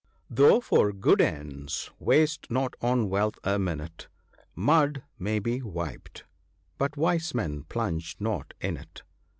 47 " Though for good ends, waste not on wealth a minute ; Mud may be wiped, but wise men plunge not in it."